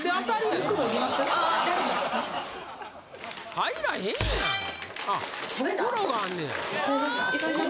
入らへんやん。